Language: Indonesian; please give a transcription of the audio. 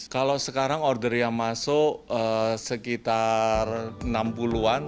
kalau sekarang order yang masuk sekitar enam puluh an